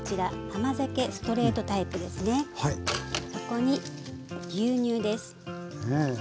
そこに牛乳です。